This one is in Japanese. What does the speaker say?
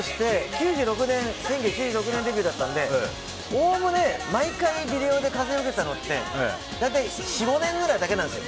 １９９６年デビューだったのでおおむね毎回のビデオで風受けたのって大体４５年ぐらいだけなんですよ。